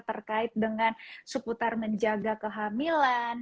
terkait dengan seputar menjaga kehamilan